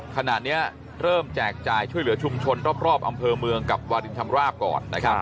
ขณะนี้เริ่มแจกจ่ายช่วยเหลือชุมชนรอบอำเภอเมืองกับวาดินชำราบก่อนนะครับ